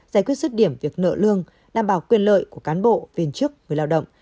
giải quyết rứt điểm việc nợ lương đảm bảo quyền lợi của cán bộ viên chức người lao động